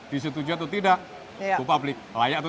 disetujui atau tidak go public layak atau tidak